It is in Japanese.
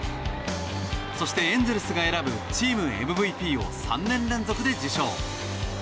そして、エンゼルスが選ぶチームＭＶＰを３年連続で受賞。